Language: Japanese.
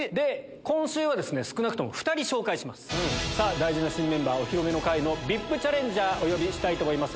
大事な新メンバーお披露目の回のＶＩＰチャレンジャーお呼びします。